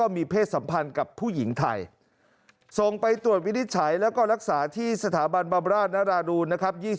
มีเพศสัมพันธ์กับผู้หญิงไทยส่งไปตรวจวินิจฉัยแล้วก็รักษาที่สถาบันบำราชนราดูนนะครับ